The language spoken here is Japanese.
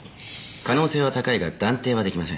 可能性は高いが断定は出来ません。